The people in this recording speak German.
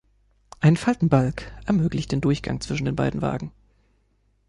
Ein Faltenbalg ermöglicht den Durchgang zwischen den beiden Wagen.